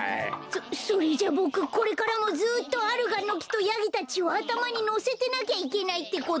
そそれじゃボクこれからもずっとアルガンのきとヤギたちをあたまにのせてなきゃいけないってこと？